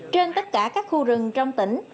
trên tất cả các khu rừng trong tỉnh